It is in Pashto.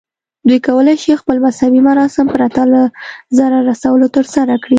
دوی کولی شي خپل مذهبي مراسم پرته له ضرر رسولو ترسره کړي.